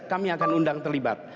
kami akan undang terlibat